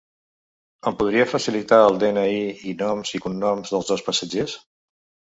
Em podria facilitar el de-ena-i i noms i cognoms dels dos passatgers?